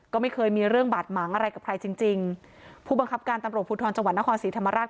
ก็ไม่เคยมีเรื่องบาดหมางอะไรกับใครจริงจริงผู้บังคับการตำรวจภูทรจังหวัดนครศรีธรรมราช